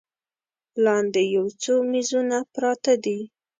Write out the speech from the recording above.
لاندې یو څو میزونه پراته دي.